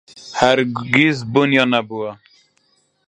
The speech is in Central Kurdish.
هەرگیز بوونیان نەبووە.